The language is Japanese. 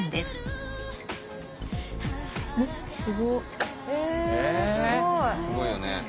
すごいよね。